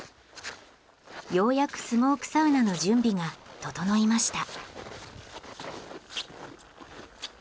ようやくスモークサウナの準備がととのいました。